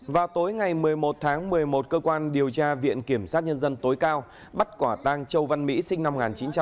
vào tối ngày một mươi một tháng một mươi một cơ quan điều tra viện kiểm sát nhân dân tối cao bắt quả tang châu văn mỹ sinh năm một nghìn chín trăm tám mươi